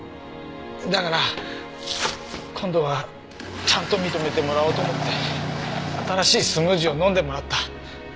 だから今度はちゃんと認めてもらおうと思って新しいスムージーを飲んでもらった。